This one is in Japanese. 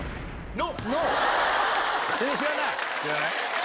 知らない？